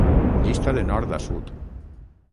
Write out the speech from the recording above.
Llista de nord a sud.